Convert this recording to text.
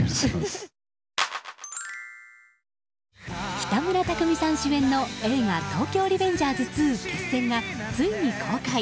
北村匠海さん主演の映画「東京リベンジャーズ２‐決戦‐」がついに公開。